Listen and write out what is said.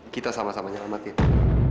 kita sama sama nyelamat ya